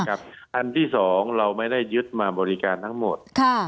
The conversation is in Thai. อันที่๒เราไม่ได้ยึดมาบริการทั้งหมด